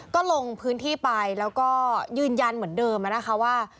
ก็ลงพื้นที่ไปแล้วก็ยืนยันเหมือนเดิมนะคะว่า